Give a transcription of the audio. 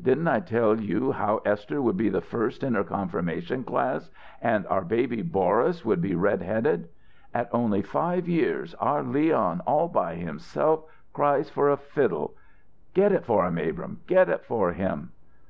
Didn't I tell you how Esther would be the first in her confirmation class and our baby Boris would be red headed? At only five years, our Leon all by himself cries for a fiddle get it for him, Abrahm get it for him!"